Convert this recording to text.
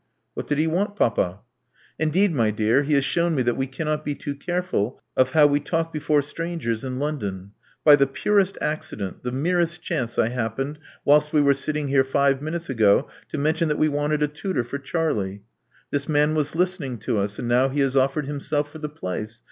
What did he want, papa?" "Indeed, my dear, he has shown me that we cannot be too careful of how we talk before strangers in Lon don. By the purest accident — the merest chance, I happened, whilst we were sitting here five minutes ago, to mention that we wanted a tutor for Charlie. This man was listening to us ; and now he has offered himself for the place.